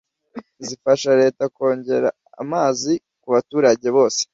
zifasha Leta kongera amazi ku baturage bose